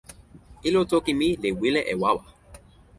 ilo toki mi li wile e wawa.